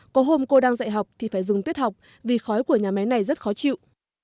có hôm cô đang dạy học thì phải dừng tiết học vì khói của nhà máy này rất khó chịu